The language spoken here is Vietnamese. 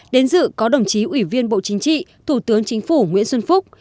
đến dự có đồng chí ủy viên bộ chính trị thủ tướng chính phủ nguyễn xuân phúc